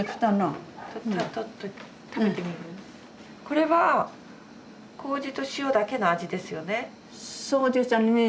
これは麹と塩だけの味ですよね。